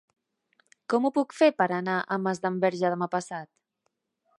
Com ho puc fer per anar a Masdenverge demà passat?